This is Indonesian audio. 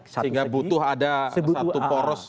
sehingga butuh ada satu poros